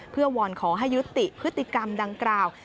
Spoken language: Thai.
เพื่อวอนขอให้ยุติพฤติกรรมดังกล่าว